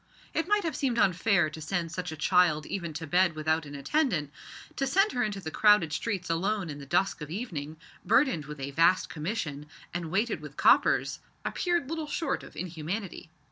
It might have seemed unfair to send such a child even to bed without an attendant. To send her into the crowded streets alone in the dusk of evening, burdened with a vast commission, and weighted with coppers, appeared little short of inhumanity.